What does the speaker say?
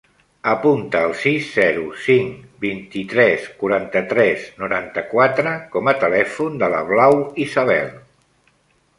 Apunta el sis, zero, cinc, vint-i-tres, quaranta-tres, noranta-quatre com a telèfon de la Blau Isabel.